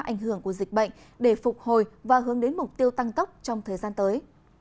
ảnh hưởng của dịch bệnh để phục hồi và hướng đến mục tiêu tăng tốc trong thời gian tới